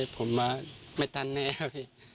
ผมมาไม่ทันแน่ครับพี่